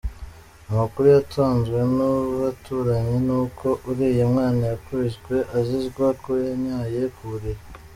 Amakuru yatanzwe n’ abaturanyi ni uko uriya mwana yakubiswe azizwa ko yanyaye ku buriri.